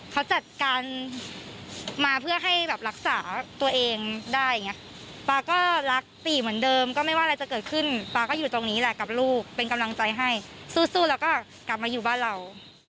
กับรักษาตัวเองได้ปาก็รักติเหมือนเดิมก็ไม่ว่าอะไรจะเกิดขึ้นปาก็อยู่ตรงนี้แหละกับลูกเป็นกำลังใจให้สู้แล้วก็กลับมาอยู่บ้านเรา